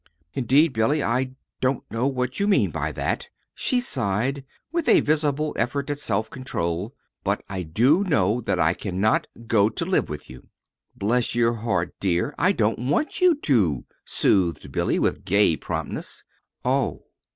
"Indeed, Billy, I don't know what you mean by that," she sighed, with a visible effort at self control; "but I do know that I can not go to live with you." "Bless your heart, dear, I don't want you to," soothed Billy, with gay promptness. "Oh!